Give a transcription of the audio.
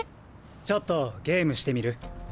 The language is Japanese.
⁉ちょっとゲームしてみる？